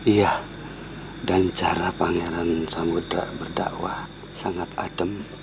iya dan cara pangeran samudera berdakwah sangat adem